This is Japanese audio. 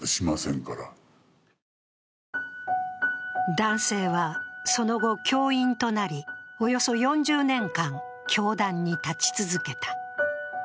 男性はその後、教員となり、およそ４０年間、教壇に立ち続けた。